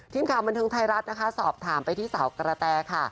ทีมข่าวบันเทิงไทยรัฐนะคะสอบถามไปที่สาวกระแตค่ะ